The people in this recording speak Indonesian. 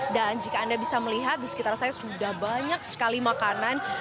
dan jika anda bisa melihat di sekitar saya sudah banyak sekali makanan